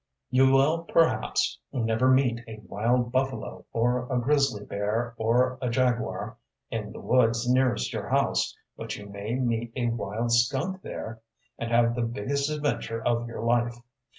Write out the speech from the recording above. You will perhaps never meet a wild buffalo or a grizzly bear or a jaguar in the woods nearest your house; but you may meet a wild skunk there, and have the biggest adventure of your life.